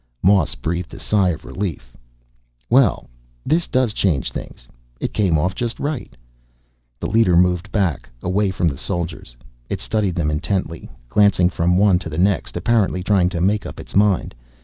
Moss breathed a sigh of relief. "Well, this does change things. It came off just right." The leader moved back, away from the soldiers. It studied them intently, glancing from one to the next, apparently trying to make up its mind.